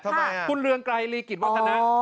ทำไมคุณเรืองไกรลีกิจวัฒนะ